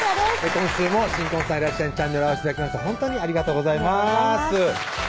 今週も新婚さんいらっしゃい！にチャンネル合わせて頂きまして本当にありがとうございます